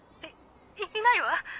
いいないわ。